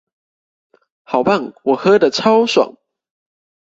好棒，我喝的超爽！